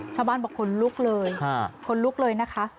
ชาวบ้านบอกขนลุกเลยขนลุกเลยนะคะ